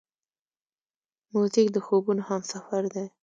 موزیک د خوبونو همسفر دی.